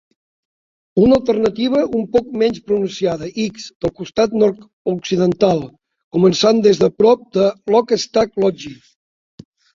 Una alternativa un poc menys pronunciada ix del costat nord-occidental, començant des de prop de Lochstack Lodge.